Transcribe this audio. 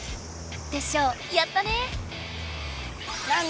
テッショウやったね！